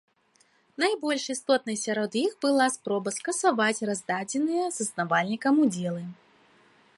Найбольш істотнай сярод іх была спроба скасаваць раздадзеныя заснавальнікам удзелы.